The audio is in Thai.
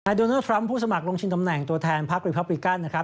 โดนัลดทรัมป์ผู้สมัครลงชิงตำแหน่งตัวแทนพักรีพับริกันนะครับ